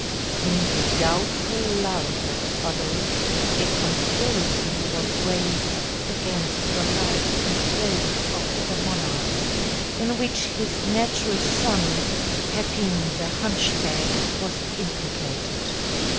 In the doubtful lull that followed, a conspiracy was raised against the life and throne of the monarch, in which his natural son, Pepin the Hunchback, was implicated.